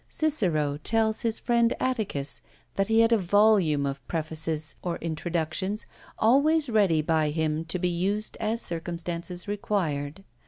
Cicero tells his friend Atticus, that he had a volume of prefaces or introductions always ready by him to be used as circumstances required.